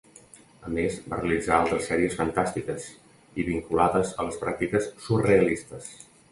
A més va realitzar altres sèries fantàstiques i vinculades a les pràctiques surrealistes.